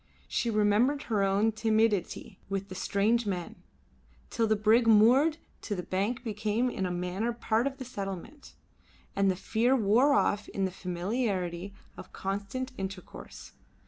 She remembered her own timidity with the strange men, till the brig moored to the bank became in a manner part of the settlement, and the fear wore off in the familiarity of constant intercourse.